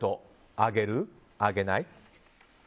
あげない？